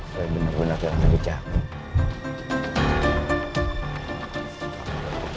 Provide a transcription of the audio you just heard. saya bener bener kira nanti di jam